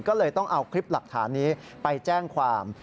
ก็เลยต้องเอาคลิปหลักฐานนี้ไปแจ้งความ